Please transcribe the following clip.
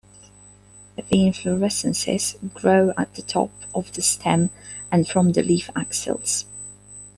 The inflorescences grow at the top of the stem and from the leaf axils.